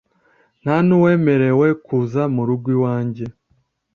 nta n’uwemerewe kuza mu rugo iwanjye